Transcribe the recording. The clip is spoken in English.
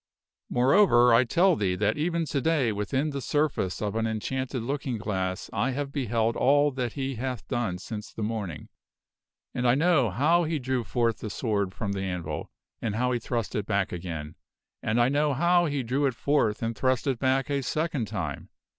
Moreover, I tell thee that even to day within the surface of an enchanted looking glass I have beheld all that he hath done since the morning ; and I know how he drew forth the sword from the anvil, and how he thrust it back again ; and I know how he drew it forth and thrust it back a second time.